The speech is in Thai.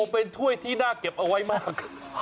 เป็นถ้วยที่น่าเก็บเอาไว้มาก